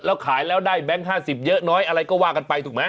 แล้วขายแล้วได้แบงค์๕๐เยอะน้อยอะไรก็ว่ากันไปถูกไหม